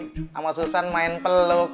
sama susan main peluk